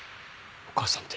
お母さんって。